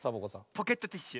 ポケットティッシュ！